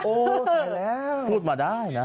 โอเคแล้วพูดมาได้นะ